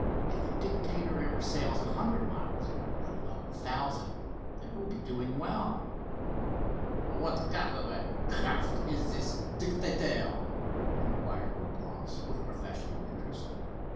If the Dictator ever sails a hundred miles, let alone a thousand, it will be doing well." "What kind of a craft is this Dictator?" inquired Leblance, with professional interest.